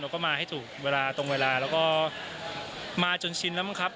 ก็มาให้ถูกเวลาตรงเวลาแล้วก็มาจนชินแล้วมั้งครับ